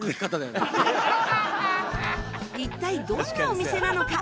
一体どんなお店なのか？